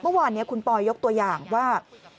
เมื่อวานนี้คุณปอยยกตัวอย่างว่า